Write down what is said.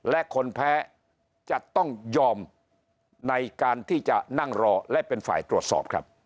และคนแพ้จะต้องยอมในการที่จะนั่งรอและเป็นฝ่ายตรวจสอบครับ